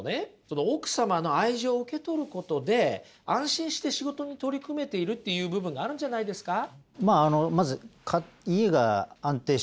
その奥様の愛情を受け取ることで安心して仕事に取り組めているっていう部分があるんじゃないですか？